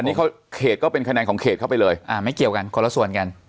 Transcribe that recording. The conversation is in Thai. อันนี้เขาเขตก็เป็นคะแนนของเขตเข้าไปเลยอ่าไม่เกี่ยวกันคนละส่วนกัน